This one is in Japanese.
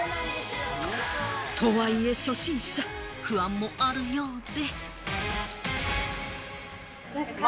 とはいえ初心者、不安もあるようで。